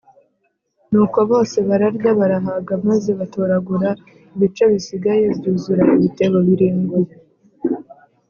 Nuko bose bararya barahaga maze batoragura ibice bisigaye byuzura ibitebo birindwi